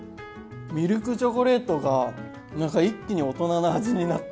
ミルクチョコレートが何か一気に大人な味になった。